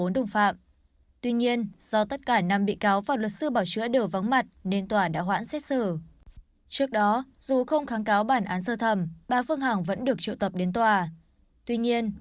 đồng thời có đơn xin xét xử vắng mặt tại phiên tòa phúc thẩm